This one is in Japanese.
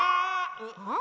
うん？